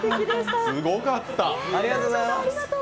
すごかった。